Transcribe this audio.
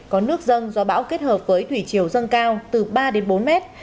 có nước dân do bão kết hợp với thủy chiều dân cao từ ba đến bốn mét